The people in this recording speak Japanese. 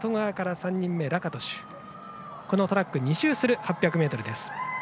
このトラック２周する８００ｍです。